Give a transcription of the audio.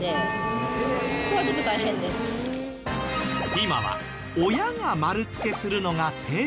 今は親が丸付けするのが定番。